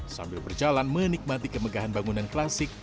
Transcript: sambil berjalan menikmati kemegahan bangunan klasik